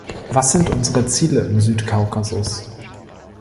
Was sind unsere Ziele im Südkaukasus?